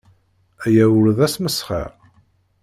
Aya ur d asmesxer.